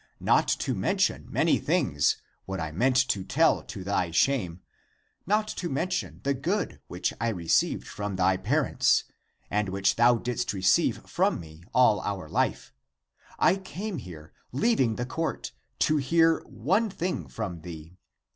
Not to mention many ACTS OF ANDREW 205 things, what I meant to teU to thy shame, not to mention the good which I received from thy parents and which thou didst receive from me all our life, I came here, leaving the court, to hear one thing from thee.